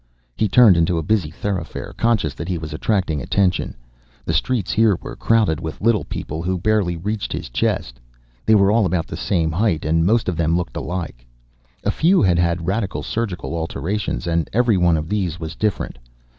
He turned into a busy thoroughfare, conscious that he was attracting attention. The streets here were crowded with little people who barely reached his chest; they were all about the same height, and most of them looked alike. A few had had radical surgical alterations, and every one of these was different.